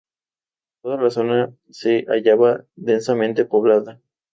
Toda la zona se hallaba densamente poblada.